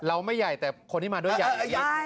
เราไม่ใหญ่แต่คนที่มาด้วยใหญ่